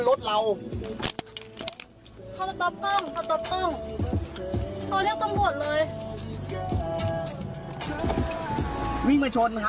วิ่งมาชนไม่งานมันเป็นอะไรครับน่า